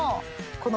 この。